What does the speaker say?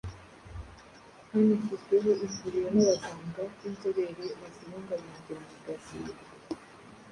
hanashyizweho ivuriro n’abaganga b’inzobere bazibungabungira amagara.